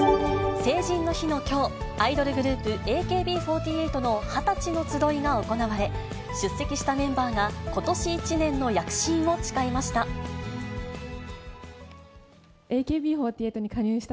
成人の日のきょう、アイドルグループ、ＡＫＢ４８の二十歳のつどいが行われ、出席したメンバーが、ことし一年の躍進を誓いました。